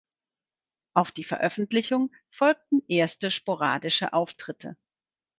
Auf die Veröffentlichung folgten erste sporadische Auftritte.